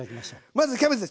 まずキャベツです。